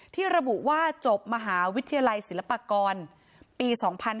ที่ระบุว่าจบมหาวิทยาลัยศิลปากรปี๒๕๕๙